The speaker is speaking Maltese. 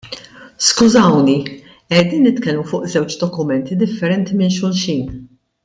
Skużawni, qegħdin nitkellmu fuq żewġ dokumenti differenti minn xulxin.